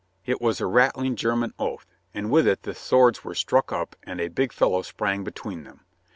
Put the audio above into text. It was a rattling German oath, and with it the swords were struck up and a big fellow sprang between them.